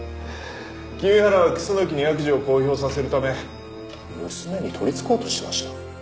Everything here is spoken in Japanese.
君原は楠木に悪事を公表させるため娘に取りつこうとしてました。